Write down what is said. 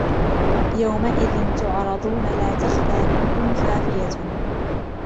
يَوْمَئِذٍ تُعْرَضُونَ لَا تَخْفَى مِنْكُمْ خَافِيَةٌ